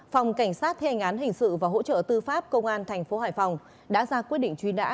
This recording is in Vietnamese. phòng cảnh sát thế hành án hình sự và hỗ trợ tư pháp công an tp hải phòng đã ra quyết định truy nã